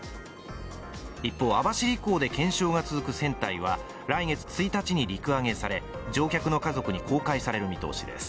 一方、網走港で検証が続く船体は来月１日に陸揚げされ、乗客の家族に公開される見通しです。